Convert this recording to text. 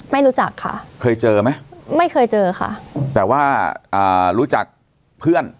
ไม่รู้จักค่ะเคยเจอไหมไม่เคยเจอค่ะแต่ว่าอ่ารู้จักเพื่อน